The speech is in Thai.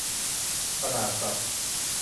อนาถสัส